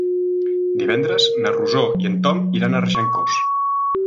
Divendres na Rosó i en Tom iran a Regencós.